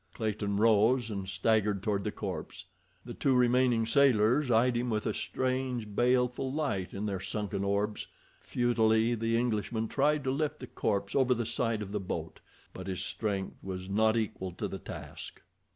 Clayton rose and staggered toward the corpse. The two remaining sailors eyed him with a strange, baleful light in their sunken orbs. Futilely the Englishman tried to lift the corpse over the side of the boat, but his strength was not equal to the task.